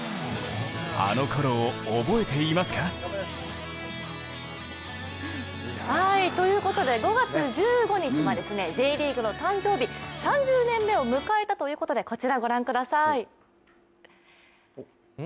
あのころを覚えていますか？ということで、５月１５日はＪリーグの誕生日、３０年目を迎えたということでこちらを御覧ください。